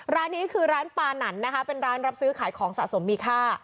ร้านนี้คือร้านปานันนะคะเป็นร้านรับซื้อขายของสะสมมีค่า